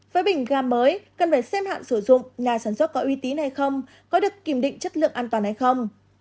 với bình ga mới cần phải xem hạn sử dụng nhà sản xuất có uy tín hay không có được kiểm định chất lượng an toàn hay không